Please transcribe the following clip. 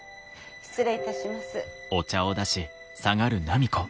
失礼いたします。